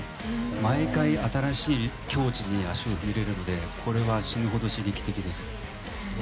毎回新しい境地に足を踏み入れるのでこれは死ぬほど刺激的です。